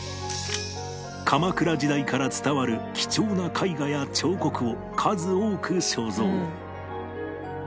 鎌倉時代から伝わる貴重な絵画や彫刻を数多く所蔵